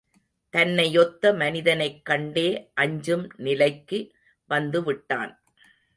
தன்னையொத்த மனிதனைக் கண்டே அஞ்சும் நிலைக்கு வந்துவிட்டான்.